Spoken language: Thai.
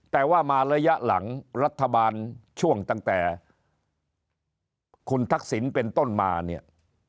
แต่ว่ามาระยะหลังรัฐบาลช่วงตั้งแต่คุณทักษิณเป็นต้นมาเนี่ย